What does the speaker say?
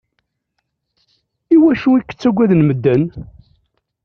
Iwacu i k-ttagaden medden?